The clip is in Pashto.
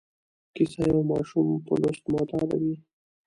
کیسه یو ماشوم په لوست معتادوي.